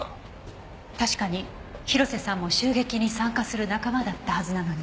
確かに広瀬さんも襲撃に参加する仲間だったはずなのに。